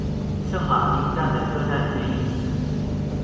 圣马丁站的车站之一。